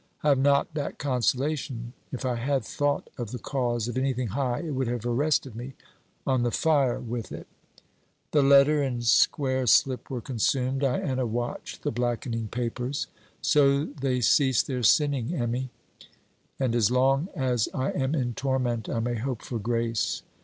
I have not that consolation. If I had thought of the cause of anything high, it would have arrested me. On the fire with it!' The letter and square slip were consumed. Diana watched the blackening papers. So they cease their sinning, Emmy; and as long as I am in torment, I may hope for grace.